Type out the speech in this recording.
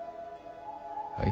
はい？